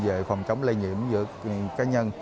về phòng chống lây nhiễm giữa người cá nhân